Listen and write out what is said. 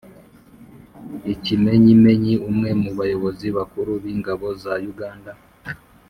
ikimenyimenyi, umwe mu bayobozi bakuru b'ingabo za uganda